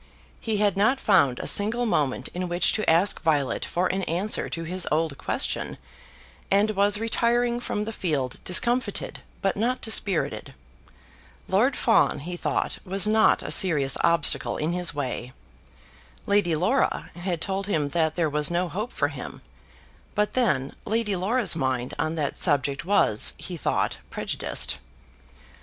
He had not found a single moment in which to ask Violet for an answer to his old question, and was retiring from the field discomfited, but not dispirited. Lord Fawn, he thought, was not a serious obstacle in his way. Lady Laura had told him that there was no hope for him; but then Lady Laura's mind on that subject was, he thought, prejudiced.